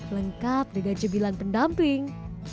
lengkap dengan jembilan pendamping